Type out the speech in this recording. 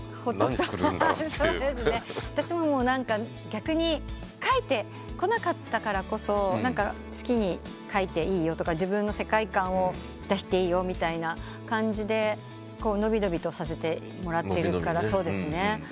私も逆に書いてこなかったからこそ好きに書いていいよとか自分の世界観を出していいよみたいな感じで伸び伸びとさせてもらってるからできるとは思うんですけど。